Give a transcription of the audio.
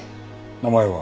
名前は？